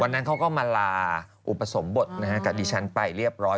นั้นเขาก็มาลาอุปสมบทกับดิฉันไปเรียบร้อย